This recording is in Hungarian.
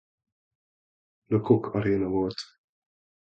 Le Coq Aréna volt.